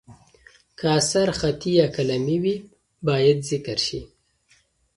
که اثر خطي یا قلمي وي، باید ذکر شي.